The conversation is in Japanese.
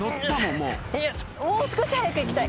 もう少し速く行きたい。